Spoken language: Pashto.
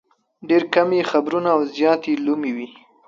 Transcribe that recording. ډېر کم یې خبرونه او زیات یې لومې وي.